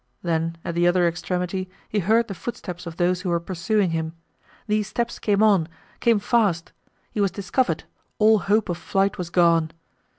Then at the other extremity he heard the footsteps of those who were pursuing him. These steps came on, came fast. He was discovered; all hope of flight was gone.